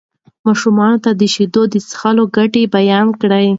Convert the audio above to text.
ماشومانو ته د شیدو د څښلو ګټې بیان کړئ.